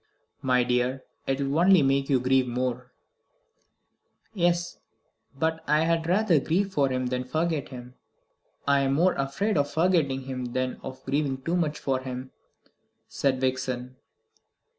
"My dear, it will only make you grieve more." "Yes; but I had rather grieve for him than forget him. I am more afraid of forgetting him than of grieving too much for him," said Vixen.